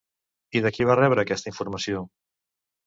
I de qui va rebre aquesta informació?